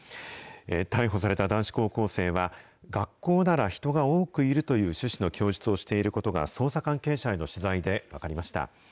逮捕された男子高校生は、学校なら人が多くいるという趣旨の供述をしていることが、捜査関係者への取材で分かりました。